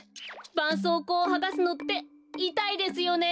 ばんそうこうをはがすのっていたいですよね。